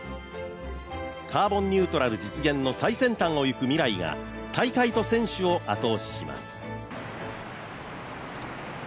カーボンニュートラル実現の最先端を行くＭＩＲＡＩが大会と選手を後押しします。